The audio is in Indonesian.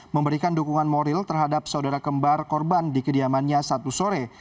memberikan dukungan moral terhadap saudara kembar korban di kediamannya satu sore